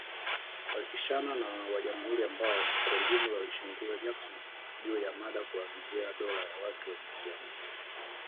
Walipishana na wa-jamhuri ambao kwa ujumla walimshinikiza Jackson, juu ya mada kuanzia ndoa za watu wa jinsia moja.